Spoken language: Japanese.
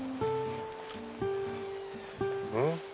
うん？